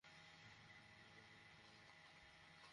তোমার এবং তোমার প্রিয়জনদের স্বার্থে।